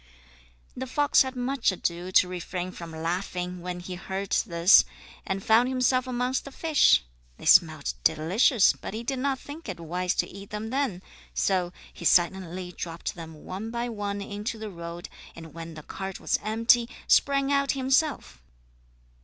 The fox had much ado to refrain from laughing when he heard this and found himself amongst the fish. They smelt delicious, but he did not think it wise to eat them then, so he silently dropped them one by one into the road, and when the cart was empty, sprang out himself.